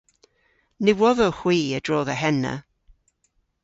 Ny wodhowgh hwi a-dro dhe henna.